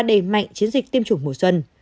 đề mạnh chiến dịch tiêm chủng mùa xuân